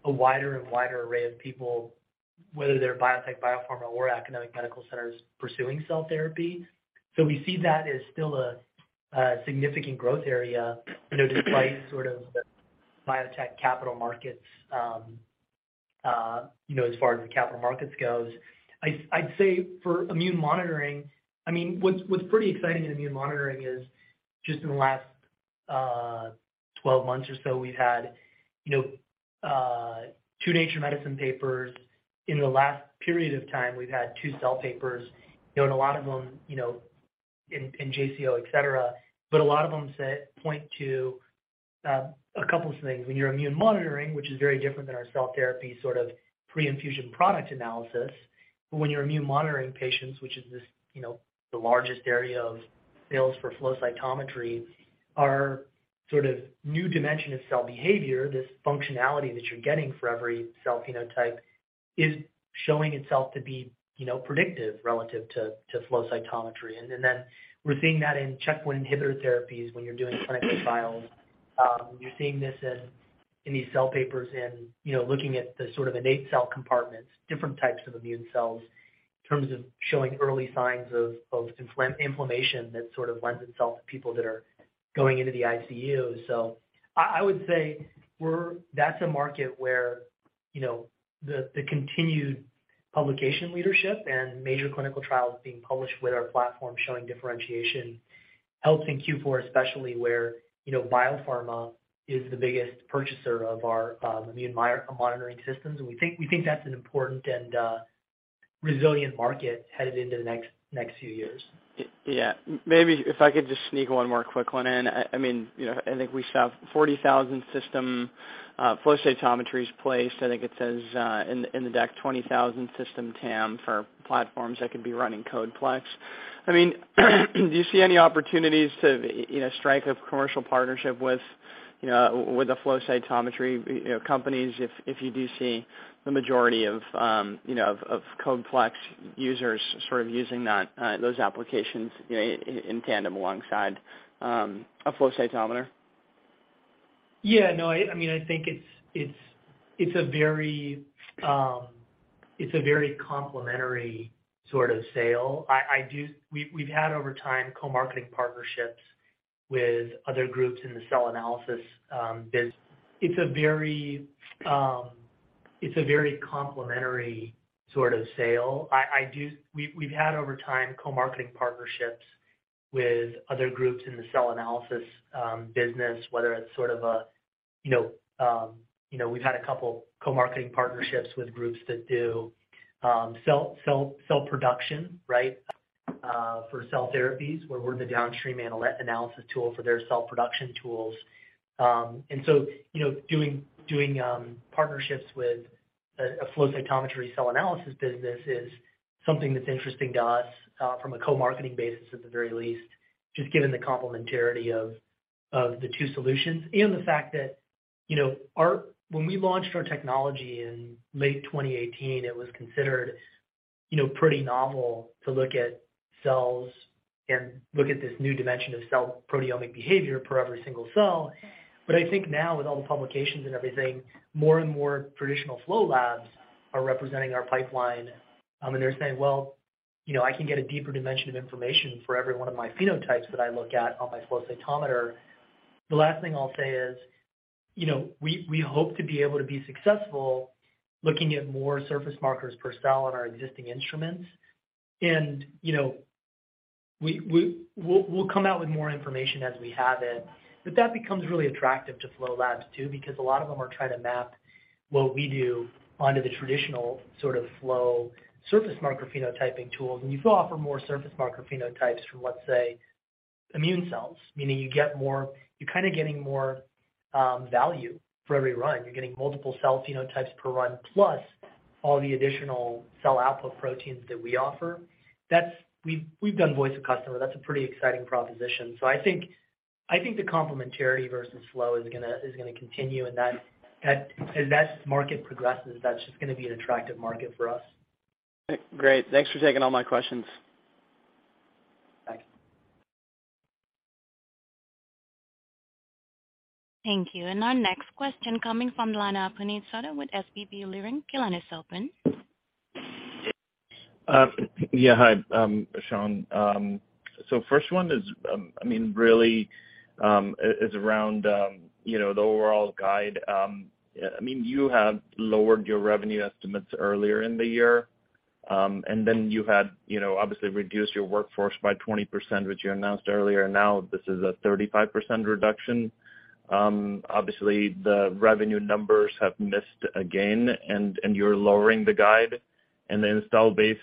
a wider and wider array of people, whether they're biotech, biopharma or academic medical centers pursuing cell therapy. We see that as still a significant growth area, you know, despite sort of the biotech capital markets, you know, as far as the capital markets goes. I'd say for immune monitoring, I mean, what's pretty exciting in immune monitoring is just in the last 12 months or so, we've had, you know, two Nature Medicine papers. In the last period of time, we've had two Cell papers, you know, and a lot of them, you know, in JCO, etc. A lot of them say point to a couple things. When you're immune monitoring, which is very different than our cell therapy sort of pre-infusion product analysis, but when you're immune monitoring patients, which is this, you know, the largest area of sales for flow cytometry are sort of new dimension of cell behavior. This functionality that you're getting for every cell phenotype is showing itself to be, you know, predictive relative to flow cytometry. We're seeing that in checkpoint inhibitor therapies when you're doing clinical trials. You're seeing this in these cell papers and, you know, looking at the sort of innate cell compartments, different types of immune cells in terms of showing early signs of inflammation that sort of lends itself to people that are going into the ICU. I would say that's a market where the continued publication leadership and major clinical trials being published with our platform showing differentiation helped in Q4, especially where biopharma is the biggest purchaser of our immune monitoring systems. We think that's an important and a resilient market headed into the next few years. Yeah. Maybe if I could just sneak one more quick one in. I mean, you know, I think we saw 40,000 systems, flow cytometers placed. I think it says in the deck, 20,000 system TAM for platforms that could be running CodePlex. I mean, do you see any opportunities to, you know, strike a commercial partnership with, you know, with the flow cytometry, you know, companies if you do see the majority of, you know, of CodePlex users sort of using that, those applications in tandem alongside a flow cytometer? Yeah. No, I mean, I think it's a very complementary sort of sale. We've had over time co-marketing partnerships with other groups in the cell analysis business, whether it's sort of a, you know, you know, we've had a couple co-marketing partnerships with groups that do cell production, right, for cell therapies, where we're the downstream analysis tool for their cell production tools. You know, doing partnerships with a flow cytometry cell analysis business is something that's interesting to us from a co-marketing basis at the very least, just given the complementarity of the two solutions and the fact that, you know, when we launched our technology in late 2018, it was considered, you know, pretty novel to look at cells and look at this new dimension of cell proteomic behavior per every single cell. But I think now with all the publications and everything, more and more traditional flow labs are representing our pipeline. They're saying, "Well, you know, I can get a deeper dimension of information for every one of my phenotypes that I look at on my flow cytometer." The last thing I'll say is, you know, we hope to be able to be successful looking at more surface markers per cell on our existing instruments. You know, we'll come out with more information as we have it. That becomes really attractive to flow labs too, because a lot of them are trying to map what we do onto the traditional sort of flow surface marker phenotyping tools. You can offer more surface marker phenotypes for, let's say, immune cells, meaning you get more, you're kinda getting more value for every run. You're getting multiple cell phenotypes per run, plus all the additional cell output proteins that we offer. We've done voice of customer. That's a pretty exciting proposition. I think the complementarity versus flow is going to continue. That as that market progresses, that's just going to be an attractive market for us. Great. Thanks for taking all my questions. Thanks. Thank you. Our next question coming from the line of Puneet Souda with SVB Leerink. Your line is open. Yeah. Hi, Sean. So first one is, I mean, really, is around, you know, the overall guide. I mean, you have lowered your revenue estimates earlier in the year, and then you had, you know, obviously reduced your workforce by 20%, which you announced earlier. Now this is a 35% reduction. Obviously the revenue numbers have missed again and you're lowering the guide. The install base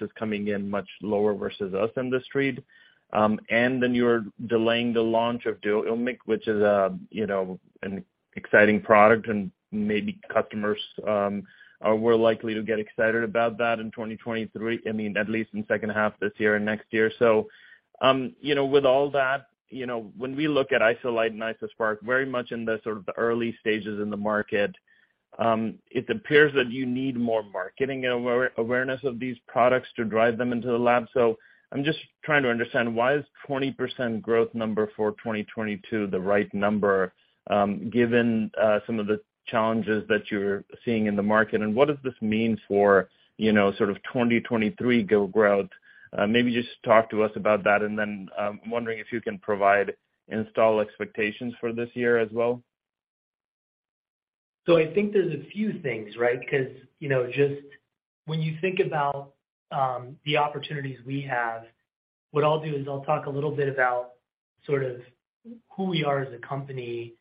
is coming in much lower versus us and the Street, and then you're delaying the launch of Duomic, which is, you know, an exciting product and maybe customers are more likely to get excited about that in 2023. I mean, at least in second half this year and next year. With all that, you know, when we look at IsoLight and IsoSpark, very much in sort of the early stages in the market, it appears that you need more marketing awareness of these products to drive them into the lab. I'm just trying to understand why is 20% growth number for 2022 the right number, given some of the challenges that you're seeing in the market, and what does this mean for, you know, sort of 2023 growth? Maybe just talk to us about that, and then, wondering if you can provide install expectations for this year as well. I think there's a few things, right? 'Cause, you know, just when you think about the opportunities we have, what I'll do is I'll talk a little bit about sort of who we are as a company.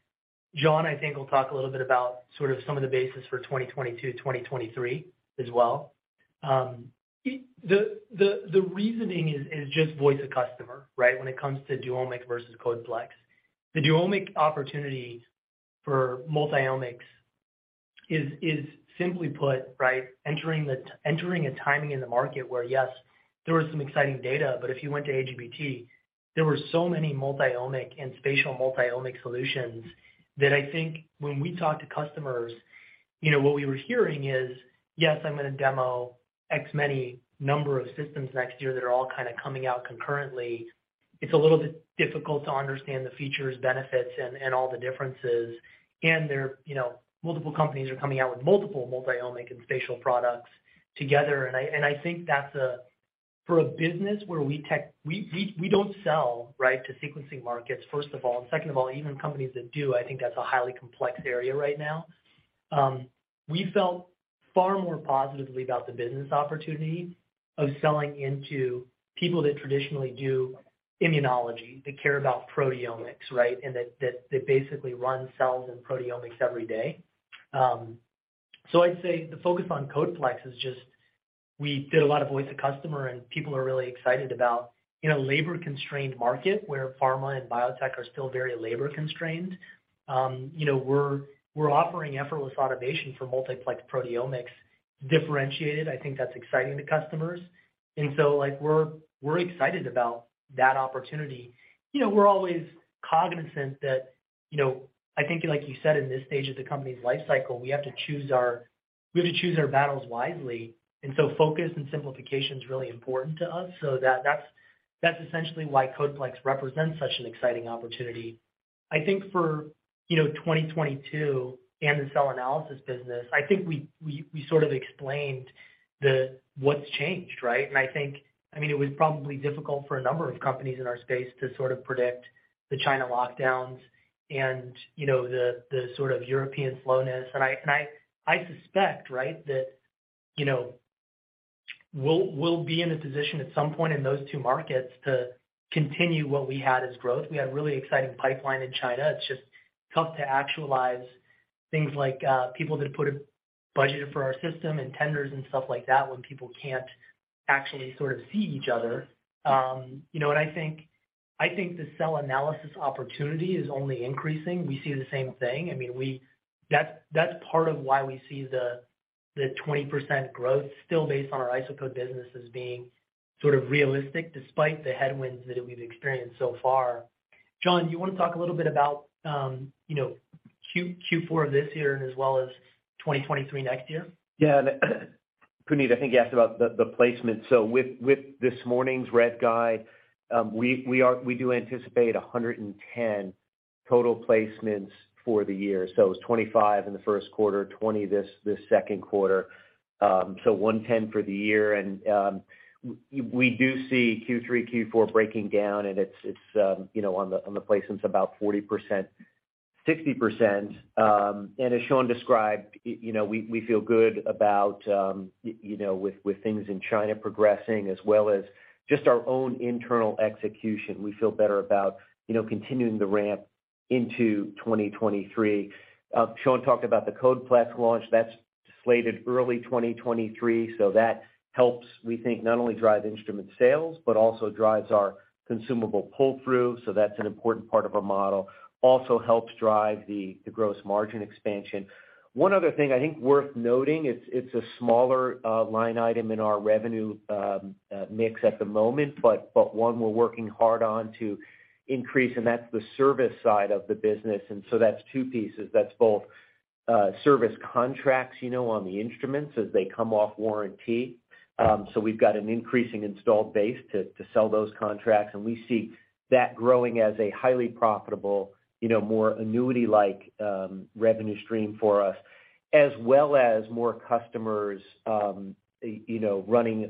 John, I think, will talk a little bit about sort of some of the basis for 2022, 2023 as well. The reasoning is just voice of customer, right, when it comes to Duomic versus CodePlex. The Duomic opportunity for multiomics is simply put, right, entering a timing in the market where, yes, there was some exciting data, but if you went to AGBT, there were so many multiomic and spatial multiomic solutions that I think when we talk to customers, you know, what we were hearing is, "Yes, I'm going to demo X many number of systems next year that are all kind of coming out concurrently." It's a little bit difficult to understand the features, benefits and all the differences. There, you know, multiple companies are coming out with multiple multiomic and spatial products together. I think that's for a business where we don't sell, right, to sequencing markets, first of all, and second of all, even companies that do. I think that's a highly complex area right now. We felt far more positively about the business opportunity of selling into people that traditionally do immunology, that care about proteomics, right, and that they basically run cells and proteomics every day. I'd say the focus on CodePlex is just we did a lot of voice of customer, and people are really excited about, in a labor-constrained market where pharma and biotech are still very labor constrained, you know, we're offering effortless automation for multiplex proteomics differentiated. I think that's exciting to customers. Like, we're excited about that opportunity. You know, we're always cognizant that, you know, I think like you said, in this stage of the company's life cycle, we have to choose our battles wisely, and so focus and simplification is really important to us. That's essentially why CodePlex represents such an exciting opportunity. I think for, you know, 2022 and the cell analysis business, I think we sort of explained what's changed, right? I think, I mean, it was probably difficult for a number of companies in our space to sort of predict the China lockdowns and, you know, the sort of European slowness. I suspect, right, that, you know, we'll be in a position at some point in those two markets to continue what we had as growth. We had really exciting pipeline in China. It's just tough to actualize things like people that put a budget for our system and tenders and stuff like that when people can't actually sort of see each other. You know, I think the cell analysis opportunity is only increasing. We see the same thing. I mean, that's part of why we see the 20% growth still based on our IsoCode business as being sort of realistic despite the headwinds that we've experienced so far. John, do you want to talk a little bit about Q4 of this year and as well as 2023 next year? Yeah. Puneet, I think you asked about the placement. With this morning's rev guide, we do anticipate 110 total placements for the year. It was 25 in the first quarter, 20 this second quarter, so 110 for the year. We do see Q3, Q4 breaking down, and it's you know, on the placements about 40%, 60%. As Sean described, you know, we feel good about you know, with things in China progressing as well as just our own internal execution. We feel better about continuing the ramp into 2023. Sean talked about the CodePlex launch. That's slated early 2023, so that helps, we think, not only drive instrument sales, but also drives our consumable pull-through. That's an important part of our model. Also helps drive the gross margin expansion. One other thing I think worth noting, it's a smaller line item in our revenue mix at the moment, but one we're working hard on to increase, and that's the service side of the business. That's two pieces. That's both service contracts, you know, on the instruments as they come off warranty. We've got an increasing installed base to sell those contracts, and we see that growing as a highly profitable, you know, more annuity-like revenue stream for us, as well as more customers, you know, running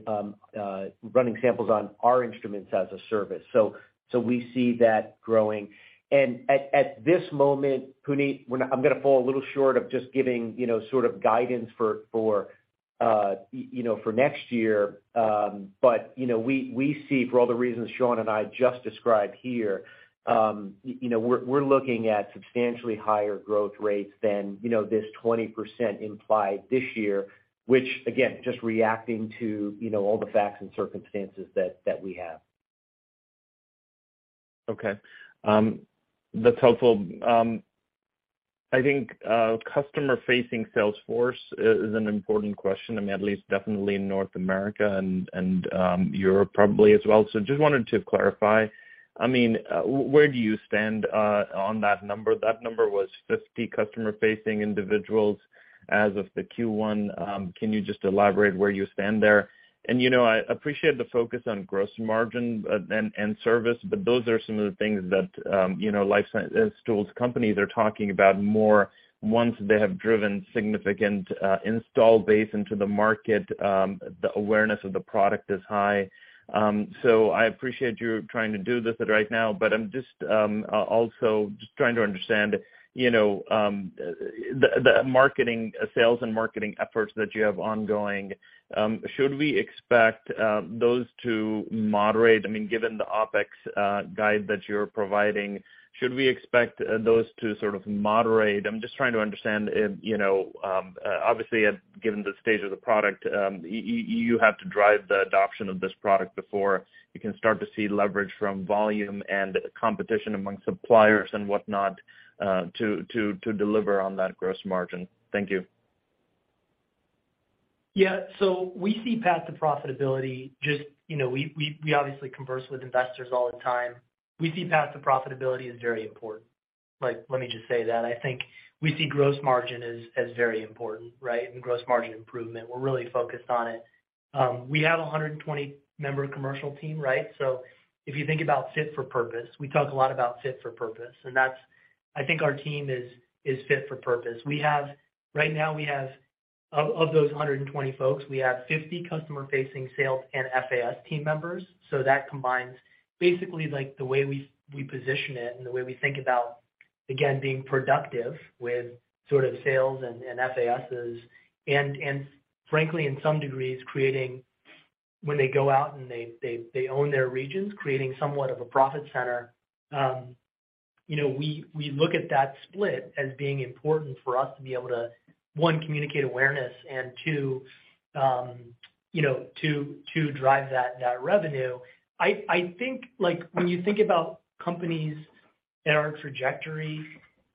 samples on our instruments as a service. We see that growing. At this moment, Puneet, I'm going to fall a little short of just giving, you know, sort of guidance for. You know, for next year, but you know, we see for all the reasons Sean and I just described here, you know, we're looking at substantially higher growth rates than you know, this 20% implied this year, which again, just reacting to you know, all the facts and circumstances that we have. That's helpful. I think customer-facing sales force is an important question. I mean, at least definitely in North America and Europe probably as well. Just wanted to clarify. I mean, where do you stand on that number? That number was 50 customer-facing individuals as of the Q1. Can you just elaborate where you stand there? You know, I appreciate the focus on gross margin and service, but those are some of the things that, you know, life science tools companies are talking about more once they have driven significant install base into the market, the awareness of the product is high. I appreciate you trying to do this right now, but I'm just also just trying to understand, you know, sales and marketing efforts that you have ongoing, should we expect those to moderate? I mean, given the OpEx guide that you're providing, should we expect those to sort of moderate? I'm just trying to understand, you know, obviously given the stage of the product, you have to drive the adoption of this product before you can start to see leverage from volume and competition among suppliers and whatnot, to deliver on that gross margin. Thank you. Yeah. We see path to profitability, just, you know, we obviously converse with investors all the time. We see path to profitability as very important. Like, let me just say that. I think we see gross margin as very important, right? Gross margin improvement. We're really focused on it. We have a 120-member commercial team, right? If you think about fit for purpose, we talk a lot about fit for purpose. I think our team is fit for purpose. Right now we have, of those 120 folks, we have 50 customer-facing sales and FAS team members. That combines basically like the way we position it and the way we think about, again, being productive with sort of sales and FASs. Frankly, to some degree, creating when they go out and they own their regions, creating somewhat of a profit center. You know, we look at that split as being important for us to be able to, one, communicate awareness, and two, you know, to drive that revenue. I think, like, when you think about companies that are on a trajectory,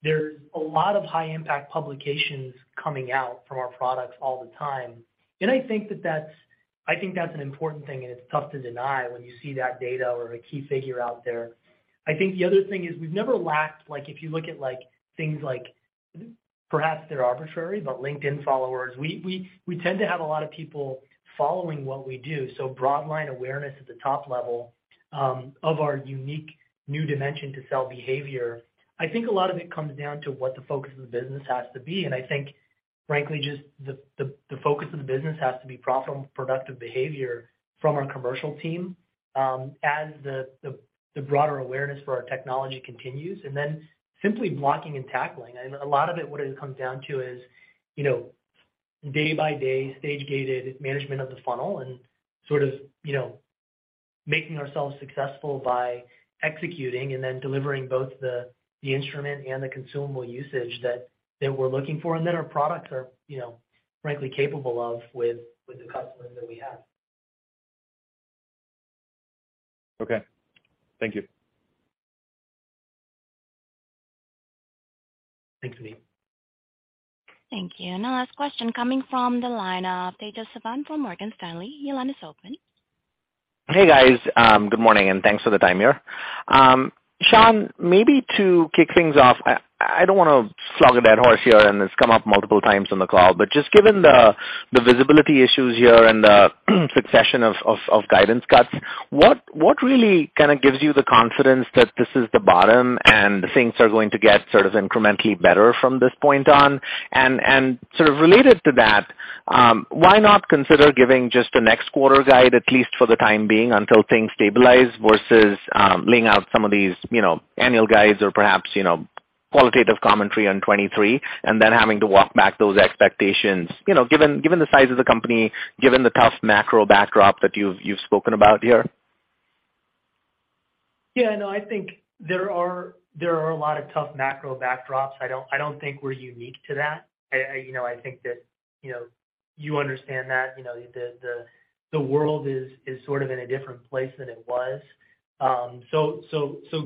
there's a lot of high impact publications coming out from our products all the time. I think that's an important thing, and it's tough to deny when you see that data or a key figure out there. I think the other thing is we've never lacked, like, if you look at, like, things like, perhaps they're arbitrary, but LinkedIn followers, we tend to have a lot of people following what we do. Broad line awareness at the top level of our unique new dimension to cell behavior. I think a lot of it comes down to what the focus of the business has to be. I think, frankly, just the focus of the business has to be profit-productive behavior from our commercial team, as the broader awareness for our technology continues, and then simply blocking and tackling. A lot of it, what it comes down to is, you know, day by day, stage-gated management of the funnel and sort of, you know, making ourselves successful by executing and then delivering both the instrument and the consumable usage that we're looking for and that our products are, you know, frankly capable of with the customers that we have. Okay. Thank you. Thanks, Puneet. Thank you. Our last question coming from the line of Tejas Savant from Morgan Stanley. Your line is open. Hey, guys, good morning, and thanks for the time here. Sean, maybe to kick things off, I don't want to beat a dead horse here, and it's come up multiple times on the call, but just given the visibility issues here and the succession of guidance cuts, what really kinda gives you the confidence that this is the bottom and things are going to get sort of incrementally better from this point on? Sort of related to that, why not consider giving just the next quarter guide, at least for the time being, until things stabilize versus laying out some of these, you know, annual guides or perhaps, you know, qualitative commentary on 2023 and then having to walk back those expectations, you know, given the size of the company, given the tough macro backdrop that you've spoken about here? Yeah, no, I think there are a lot of tough macro backdrops. I don't think we're unique to that. You know, I think that you know, you understand that you know, the world is sort of in a different place than it was.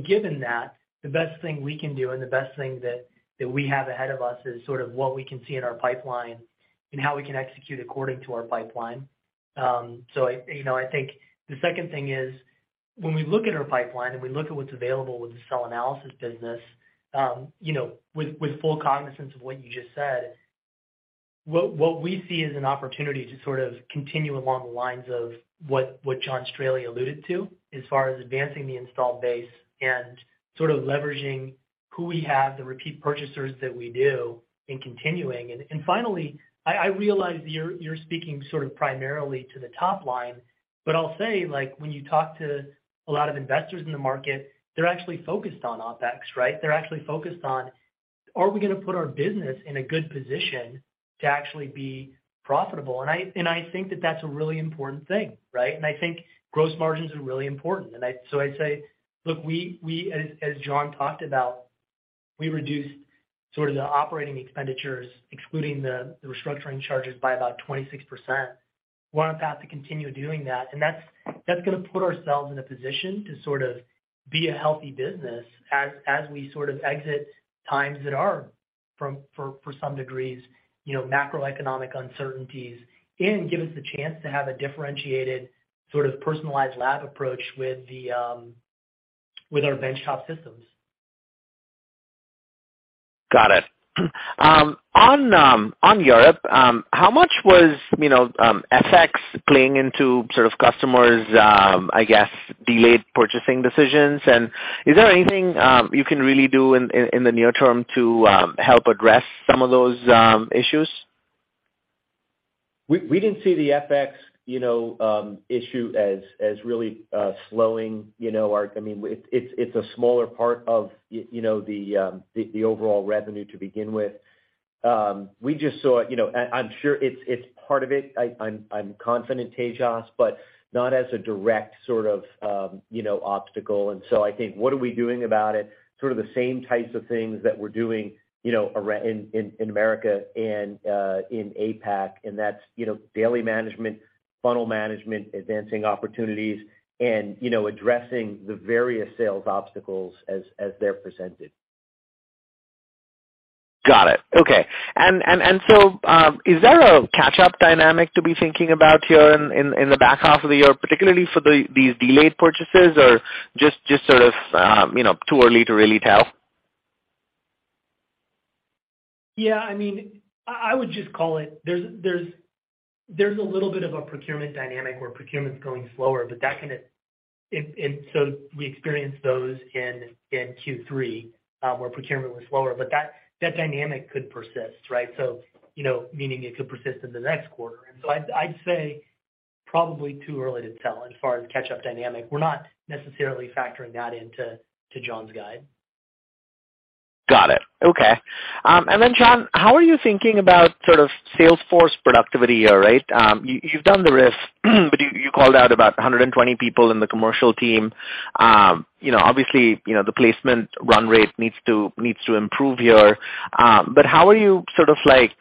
Given that, the best thing we can do and the best thing that we have ahead of us is sort of what we can see in our pipeline and how we can execute according to our pipeline. I think the second thing is when we look at our pipeline and we look at what's available with the cell analysis business, you know, with full cognizance of what you just said, what we see as an opportunity to sort of continue along the lines of what John Strahley alluded to as far as advancing the installed base and sort of leveraging who we have, the repeat purchasers that we do in continuing. Finally, I realize you're speaking sort of primarily to the top line, but I'll say, like, when you talk to a lot of investors in the market, they're actually focused on OPEX, right? They're actually focused on. Are we going to put our business in a good position to actually be profitable? I think that that's a really important thing, right? I think gross margins are really important. So I'd say, look, we as John talked about, we reduced sort of the operating expenditures, excluding the restructuring charges by about 26%. We're on a path to continue doing that. That's going to put ourselves in a position to sort of be a healthy business as we sort of exit times that are to some degree, you know, macroeconomic uncertainties and give us the chance to have a differentiated sort of personalized lab approach with our benchtop systems. Got it. On Europe, how much was, you know, FX playing into sort of customers, I guess, delayed purchasing decisions? Is there anything you can really do in the near term to help address some of those issues? We didn't see the FX, you know, issue as really slowing our. I mean, it's a smaller part of you know, the overall revenue to begin with. We just saw it, you know. I'm sure it's part of it. I'm confident, Tejas, but not as a direct sort of, you know, obstacle. I think what are we doing about it? Sort of the same types of things that we're doing, you know, around in America and in APAC, and that's, you know, daily management, funnel management, advancing opportunities and, you know, addressing the various sales obstacles as they're presented. Got it. Okay. Is there a catch-up dynamic to be thinking about here in the back half of the year, particularly for these delayed purchases or just sort of, you know, too early to really tell? Yeah, I mean, I would just call it there's a little bit of a procurement dynamic where procurement's going slower, but that can. We experienced those in Q3 where procurement was slower, but that dynamic could persist, right? You know, meaning it could persist into the next quarter. I'd say probably too early to tell as far as catch-up dynamic. We're not necessarily factoring that into John's guide. Got it. Okay. Then John, how are you thinking about sort of sales force productivity here, right? You've done the RIF, but you called out about 120 people in the commercial team. You know, obviously, you know, the placement run rate needs to improve here. But how are you sort of like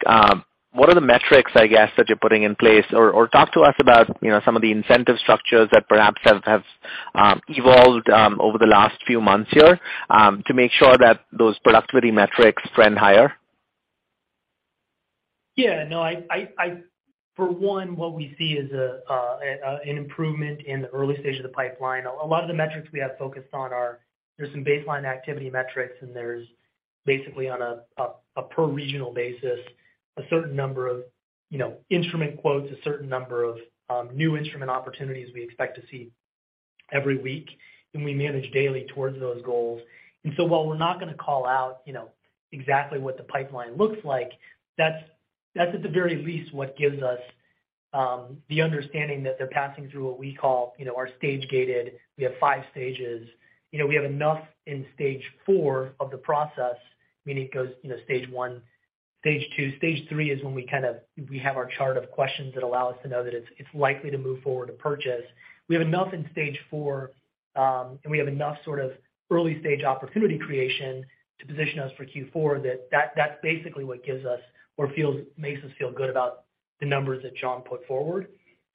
what are the metrics, I guess, that you're putting in place or talk to us about, you know, some of the incentive structures that perhaps have evolved over the last few months here to make sure that those productivity metrics trend higher. Yeah. No, I for one, what we see is an improvement in the early stage of the pipeline. A lot of the metrics we have focused on are, there's some baseline activity metrics, and there's basically on a per regional basis, a certain number of, you know, instrument quotes, a certain number of new instrument opportunities we expect to see every week, and we manage daily towards those goals. While we're not going to call out, you know, exactly what the pipeline looks like, that's at the very least what gives us the understanding that they're passing through what we call, you know, our stage gated. We have five stages. You know, we have enough in stage four of the process, meaning it goes, you know, stage one, stage two. Stage three is when we kind of we have our chart of questions that allow us to know that it's likely to move forward to purchase. We have enough in stage four, and we have enough sort of early stage opportunity creation to position us for Q4. That's basically what makes us feel good about the numbers that John put forward.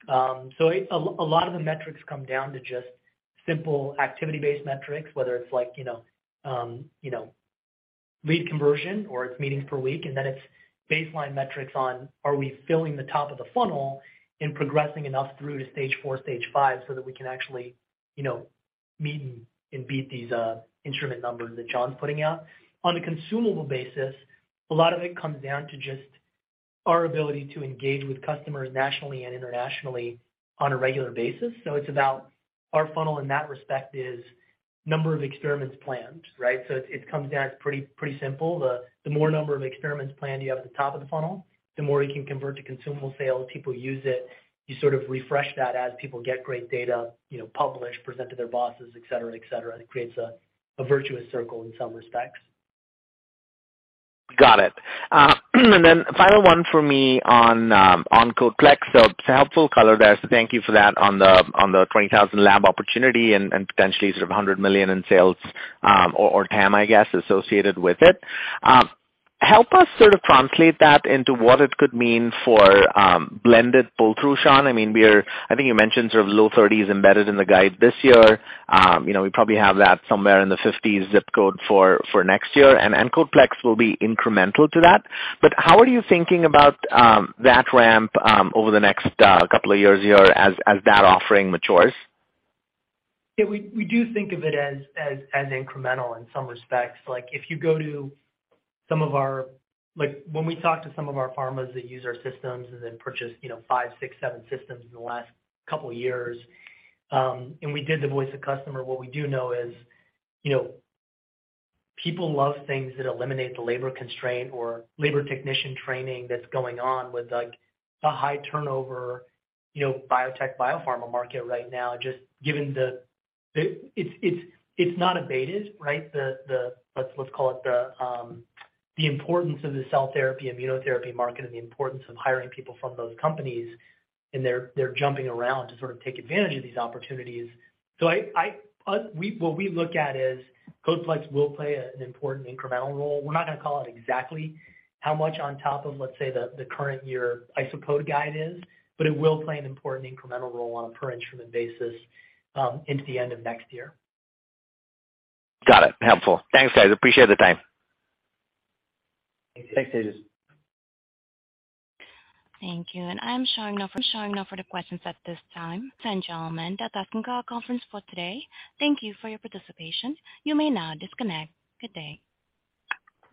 A lot of the metrics come down to just simple activity-based metrics, whether it's like, you know, lead conversion or it's meetings per week, and then it's baseline metrics on are we filling the top of the funnel and progressing enough through to stage four, stage five so that we can actually, you know, meet and beat these instrument numbers that John's putting out. On a consumable basis, a lot of it comes down to just our ability to engage with customers nationally and internationally on a regular basis. It's about our funnel in that respect is number of experiments planned, right? It comes down, it's pretty simple. The more number of experiments planned you have at the top of the funnel, the more you can convert to consumable sales. People use it. You sort of refresh that as people get great data, you know, publish, present to their bosses, et cetera, et cetera. It creates a virtuous circle in some respects. Got it. Then final one for me on CodePlex. It's a helpful color there, so thank you for that on the 20,000 lab opportunity and potentially sort of 100 million in sales or TAM, I guess, associated with it. Help us sort of translate that into what it could mean for blended pull-through, Sean. I mean, I think you mentioned sort of low 30s% embedded in the guide this year. You know, we probably have that somewhere in the 50s% ZIP code for next year, and CodePlex will be incremental to that. How are you thinking about that ramp over the next couple of years here as that offering matures? Yeah, we do think of it as incremental in some respects. Like, when we talk to some of our pharmas that use our systems and then purchase, you know, five, six, seven systems in the last couple years, and we did the voice of customer. What we do know is, you know, people love things that eliminate the labor constraint or labor technician training that's going on with, like, the high turnover, you know, biotech, biopharma market right now, just given that it's not abated, right? Let's call it the importance of the cell therapy, immunotherapy market and the importance of hiring people from those companies, and they're jumping around to sort of take advantage of these opportunities. What we look at is CodePlex will play an important incremental role. We're not going to call it exactly how much on top of, let's say, the current year IsoPlexis guide is, but it will play an important incremental role on a per instrument basis into the end of next year. Got it. Helpful. Thanks, guys. Appreciate the time. Thanks, Tejas. Thank you. I'm showing no further questions at this time. Ladies and gentlemen, that concludes our conference for today. Thank you for your participation. You may now disconnect. Good day.